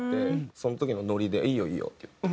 その時のノリで「いいよいいよ！」って言って。